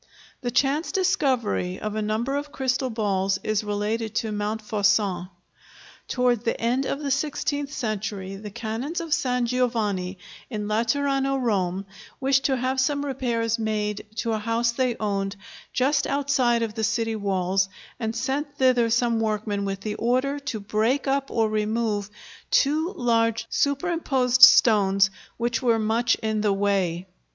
The chance discovery of a number of crystal balls is related by Montfaucon. Towards the end of the sixteenth century, the canons of San Giovanni in Laterano, Rome, wished to have some repairs made to a house they owned, just outside of the city walls, and sent thither some workmen with the order to break up or remove two large, superimposed stones, which were much in the way.